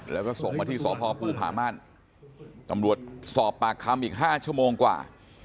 แล้วก็ส่งมาที่สพภูผาม่านตำรวจสอบปากคำอีก๕ชั่วโมงกว่า